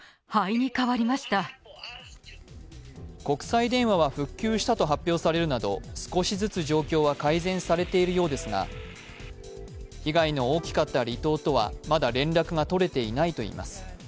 国際電話は復旧したと発表されるなど少しずつ状況は改善されているようですが被害の大きかった離島とはまだ連絡が取れていないといいます。